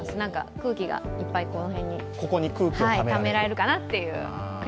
空気がいっぱい、この辺にためられるかなっていう。